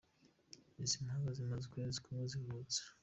Izi mpanga zimaze ukwezi kumwe zivutse.